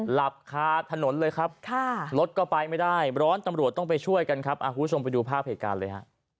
หลับคาถนนเลยครับรถก็ไปไม่ได้ร้อนตำรวจต้องไปช่วยกันครับคุณผู้ชมไปดูภาพเหตุการณ์เลยฮะ